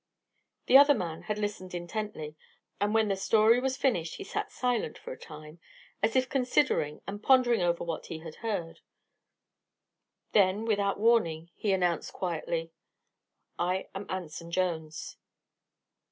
The other man had listened intently, and when the story was finished he sat silent for a time, as if considering and pondering over what he had heard. Then, without warning, he announced quietly: "I am Anson Jones."